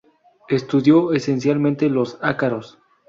Estudió esencialmente los ácaros.